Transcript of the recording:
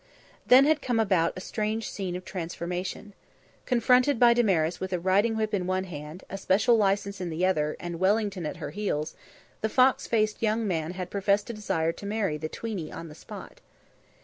Then had come about a strange scene of transformation. Confronted by Damaris with a riding whip in one hand, a special license in the other, and Wellington at her heels, the fox faced young man had professed a desire to marry the tweeny on the spot.